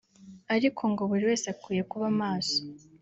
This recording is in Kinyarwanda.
ariko ngo buri wese akwiye kuba maso